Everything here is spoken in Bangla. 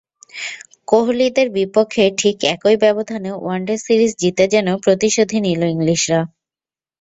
কোহলিদের বিপক্ষে ঠিক একই ব্যবধানে ওয়ানডে সিরিজ জিতে যেন প্রতিশোধই নিল ইংলিশরা।